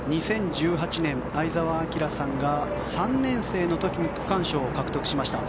２０１８年、相澤晃さんが３年生の時に区間賞を獲得しました。